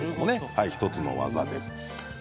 １つの技です。